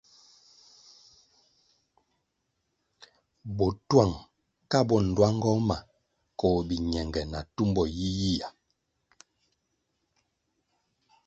Botuang ka bo nluangoh ma koh biñenge na tumbo yiyia.